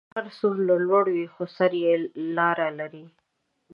که غر هر څومره لوړی وي، خو سر یې لار لري.